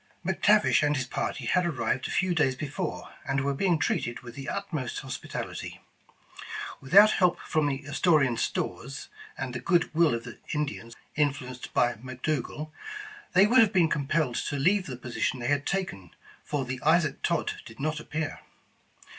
McTavish and his party had arrived a few days be fore, and were being treated with the utmost hospital ity. Without help from the Astorian stores, and the good will of the Indians influenced by McDougal, they would have been compelled to leave the position they had taken, for the Isaac Todd did not appear.